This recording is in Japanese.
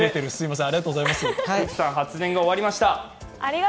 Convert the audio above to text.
福さん、発電が終わりました。